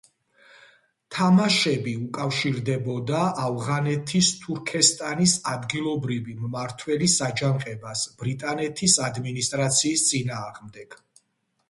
თამაშები უკავშირდებოდა ავღანეთის თურქესტანის ადგილობრივი მმართველის აჯანყებას ბრიტანეთის ადმინისტრაციის წინააღმდეგ.